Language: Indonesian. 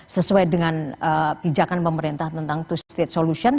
sesuai dengan pijakan pemerintah tentang two state solution